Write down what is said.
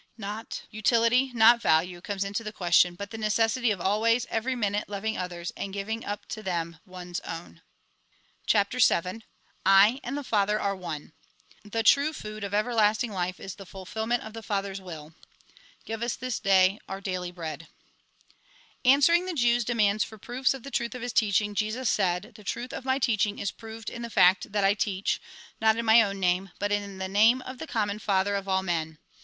Not utility, not value, comes into the question, but the necessity of always, every minute, loving others, and giving up to them one's own. CHAPTER VII I AND THE FATHEE ARE ONE The true food of everlasting life is the fulfilment of the Father's will ("0ive us tbls Dag our Sails breaJ)") Answeeing the Jews' demands for proofs of the truth of his teaching, Jesus said :" The truth of my teaching is proved in the fact that I teach, not in my own name, but in the name of the common Father of all men.